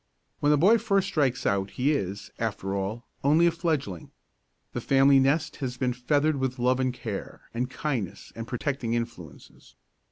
When the boy first strikes out he is, after all, only a fledgling. The family nest has been feathered with love and care and kindness and protecting influences.